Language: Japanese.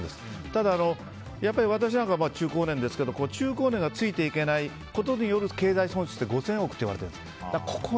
ただ、やっぱり私なんか中高年ですけど中高年がついていけないことによる経済損失って５０００億って言われてるんです。